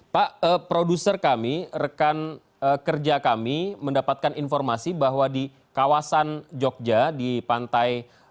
pak produser kami rekan kerja kami mendapatkan informasi bahwa di kawasan jogja di pantai